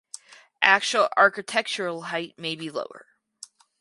Actual architectural height may be lower.